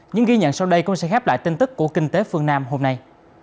những ghi nhận sau đây cũng sẽ khép lại tin tức của kinh tế phương nam hôm nay